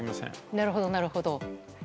なるほど、なるほど。